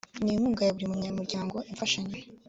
n inkunga ya buri munyamuryango imfashanyo